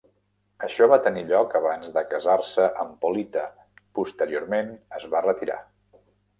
Això va tenir lloc abans de casar-se amb Polita; posteriorment es va retirar.